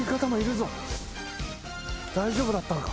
大丈夫だったのか？